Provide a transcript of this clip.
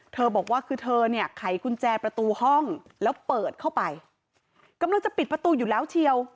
บอกว่าคือเธอเนี่ยไขกุญแจประตูห้องแล้วเปิดเข้าไปกำลังจะปิดประตูอยู่แล้วเชียว